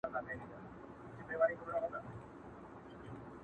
په كوڅو كي يې زموږ پلونه بېګانه دي،